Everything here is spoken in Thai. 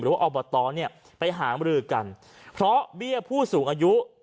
อบตเนี่ยไปหามรือกันเพราะเบี้ยผู้สูงอายุ